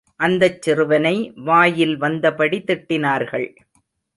அந்தச் சிறுவனை வாயில் வந்தபடி திட்டினார்கள்.